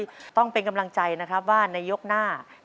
แต่ซ่ามหาสมุทรนะครับยังไม่ได้คะแนนจากคณะกรรมการเลย